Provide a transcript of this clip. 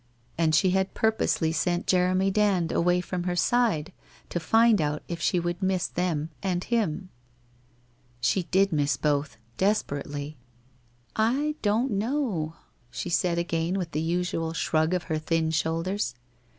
And she had purposely sent Jeremy Dand away from her side to find out if she would miss them and him. She did miss both, desperately. 'Z don't know?' she said again with the usual shrug of her thin shoulders.